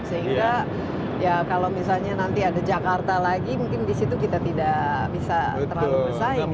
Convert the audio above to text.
sehingga ya kalau misalnya nanti ada jakarta lagi mungkin disitu kita tidak bisa terlalu bersaing